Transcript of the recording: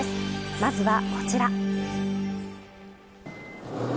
まずはこちら。